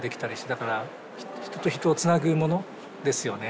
だから人と人をつなぐものですよね。